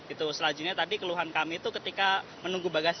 itu selanjutnya tadi keluhan kami itu ketika menunggu bagasi